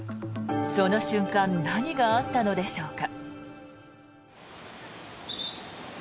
その瞬間何があったのでしょうか。